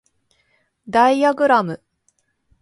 ダイアグラム